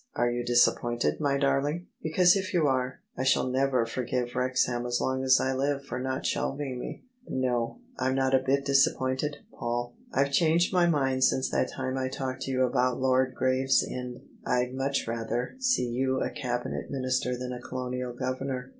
Are you disappointed, my darling? Because if you are, I shall never forgive Wrexham as long as I live for not shelv ing me." " No ; I'm not a bit disappointed, Paul. I've changed my mind since that time I talked to you about Lord Gravesend. I'd much rather see you a Cabinet Minister than a Colonial Governor."